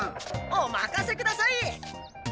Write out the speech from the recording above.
おまかせください！